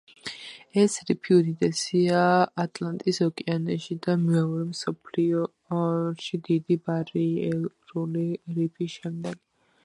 ეს რიფი უდიდესია ატლანტის ოკეანეში და მეორე მსოფლიოში დიდი ბარიერული რიფის შემდეგ.